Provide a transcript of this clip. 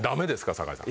酒井さん。